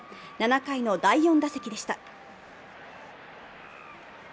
７回の第４打席でした。